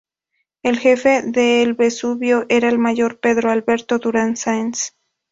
El jefe de El Vesubio era el mayor Pedro Alberto Durán Sáenz.